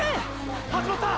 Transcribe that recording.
始まった！！